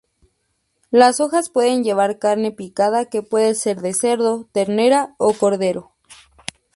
Las hojas pueden llevar carne picada que puede ser de cerdo, ternera, o cordero.